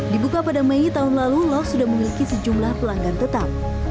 dibuka pada mei tahun lalu lauk sudah memiliki sejumlah pelanggan tetap